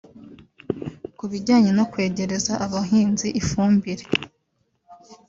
Ku bijyanye no kwegereza abahinzi ifumbire